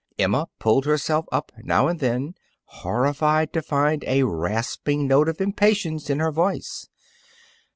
Emma pulled herself up now and then, horrified to find a rasping note of impatience in her voice.